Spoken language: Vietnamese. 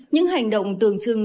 những hành động tường trưng